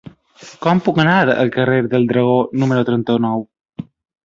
Com puc anar al carrer del Dragó número trenta-nou?